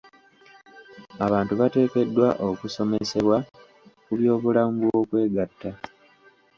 Abantu bateekeddwa okusomesebwa ku byobulamu bw'okwegatta.